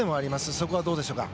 そこはどうでしょうか？